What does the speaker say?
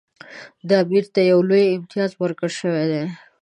دا امیر ته یو لوی امتیاز ورکړل شوی دی.